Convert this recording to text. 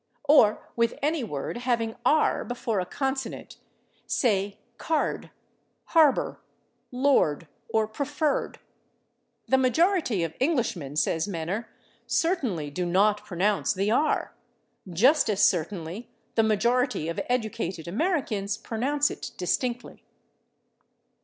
Or with any word having /r/ before a consonant, say /card/, /harbor/, /lord/ or /preferred/. "The majority of Englishmen," says Menner, "certainly do not pronounce the /r/ ...; just as certainly the majority of educated Americans pronounce it distinctly."